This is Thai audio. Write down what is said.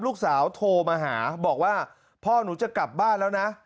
ลูกสาวโทรมาหาบอกว่าพ่อหนูจะกลับบ้านแล้วนะ